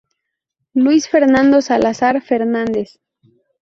Luis Fernando Salazar Fernández.